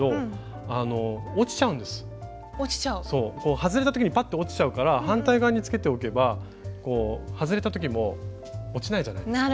外れた時にパッと落ちちゃうから反対側につけておけば外れた時も落ちないじゃないですか。